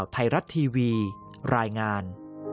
โปรดติดตามตอนต่อไป